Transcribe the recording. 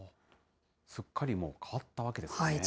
すっかりもう変わったわけですね。